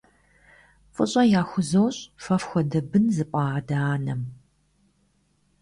ФӀыщӀэ яхузощӏ фэ фхуэдэ бын зыпӏа адэ-анэм!